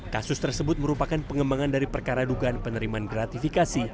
kasus tersebut merupakan pengembangan dari perkara dugaan penerimaan gratifikasi